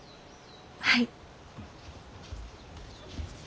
はい。